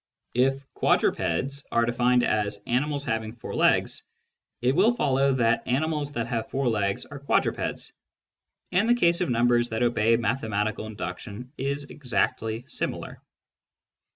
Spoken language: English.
If " quadrupeds " are defined as animals having four legs, it will follow that animals , that have four legs are quadrupeds ; and the case of numbers that obey mathematical induction is exactly similar.